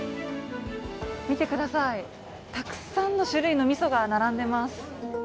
見てください、たくさんの種類のみそが並んでいます。